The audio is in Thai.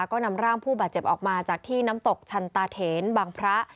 ก็นำร่างผู้บาดเจ็บออกมาจากที่น้ำตกชันตาเถนบางพระ